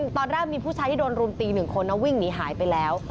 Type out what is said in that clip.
ตอนแรกมีผู้ชายที่โดนรุมตี๑คนวิ่งหนีหายไปแล้ว